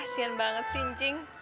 kasian banget sih cing